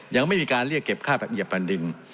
ยังไม่มีการเรียกเก็บค่าเหยียบแผ่นดิน